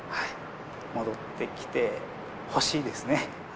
戻ってきてほしいですね。